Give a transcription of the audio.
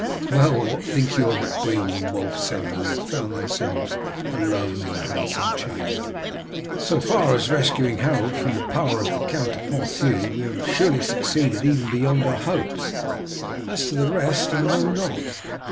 "Well, what think you of it, Beorn?" Wulf said, when they found themselves alone in a handsome chamber. "So far as rescuing Harold from the power of the Count of Ponthieu we have surely succeeded even beyond our hopes. As to the rest, I know not.